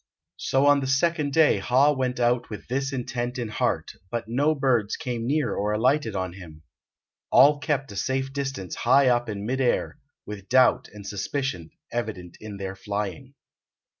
So on the second day Ha went out with this intent in heart, but no birds came near or alighted on him. All kept a safe distance high up in mid air, with doubt and suspicion evident in their flying.